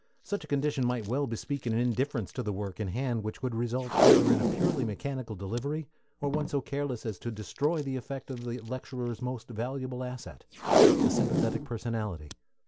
Such a condition might well bespeak an indifference to the work in hand which would result either in a purely mechanical delivery, or one so careless as to destroy the effect of the lecturer's most valuable asset a sympathetic personality.